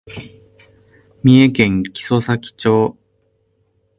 三重県木曽岬町